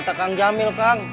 kata kang jamil kang